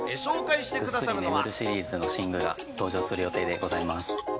ぐっすり眠れるシリーズの寝具が登場する予定でございます。